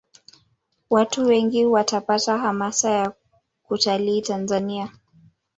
Watu wengi watapata hamasa ya kutalii tanzania